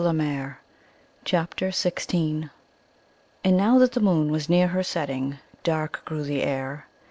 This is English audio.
CHAPTER XVI And now that the moon was near her setting, dark grew the air.